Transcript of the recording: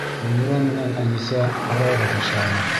Мөнирә менән Әнисә һарайға ташлана.